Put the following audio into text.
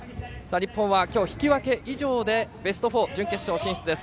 日本は今日、引き分け以上でベスト４、準決勝進出です。